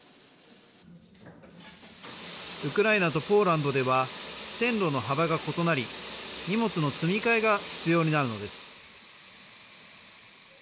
ウクライナとポーランドでは線路の幅が異なり荷物の積み替えが必要になるのです。